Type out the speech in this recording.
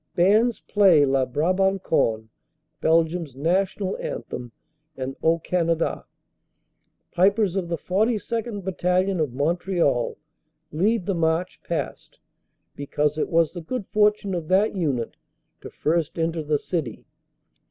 Bands play "La Brabanconne," Belgium s national anthem, and "O Canada." Pipers of the 42nd. Battalion, of Montreal, lead the march past, because it was the good fortune of that CAPTURE OF MONS 387 unit to first enter the city.